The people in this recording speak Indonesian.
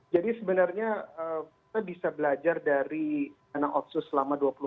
jadi sebenarnya kita bisa belajar dari anak anak ofisial